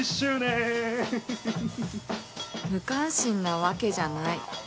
無関心なわけじゃない。